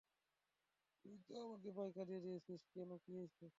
তুই তো আমাকে প্রায় কাঁদিয়ে দিয়েছিস, - কেন কি হইছে?